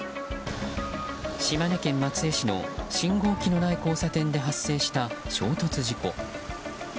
島根県松江市の信号機のない交差点で発生した、衝突事故。